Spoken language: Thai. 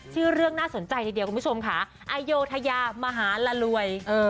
เรื่องน่าสนใจทีเดียวคุณผู้ชมค่ะอโยธยามหาละรวย